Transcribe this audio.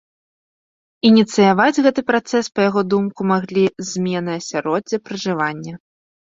Ініцыяваць гэты працэс, па яго думку, маглі змены асяроддзя пражывання.